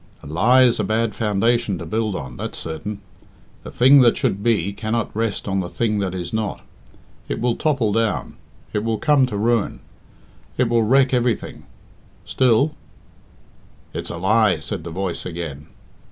"A lie is a bad foundation to build on that's certain. The thing that should be cannot rest on the thing that is not. It will topple down; it will come to ruin; it will wreck everything. Still " "It is a lie," said the voice again.